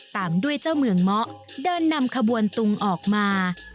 ตามด้วยเจ้าเมืองเมาะเดินนำขบวนตุงออกมา